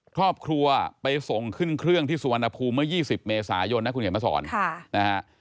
ครอบครัวไปส่งขึ้นเครื่องที่สวนภูมิเมื่อ๒๐เมษายนนะครับคุณเห็นประสอร์น